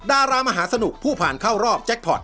ดารามหาสนุกผู้ผ่านเข้ารอบแจ็คพอร์ต